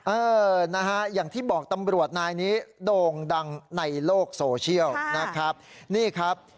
เออนะฮะอย่างที่บอกตำรวจนายนี้โด่งดังในโลกโซเชียลนะครับนี่ครับ